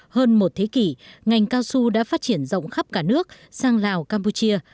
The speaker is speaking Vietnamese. hơn một thế kỷ ngành cao su đã phát triển rộng khắp cả nước sang lào campuchia